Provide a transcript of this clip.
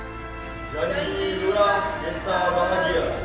janji lurah desa bahagia